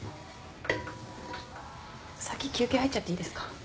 先休憩入っちゃっていいですか？